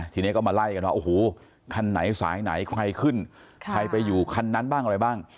ทีนี้ก็มาไล่กันว่าโอ้โหคันไหนสายไหนใครขึ้นใครไปอยู่คันนั้นบ้างอะไรบ้าง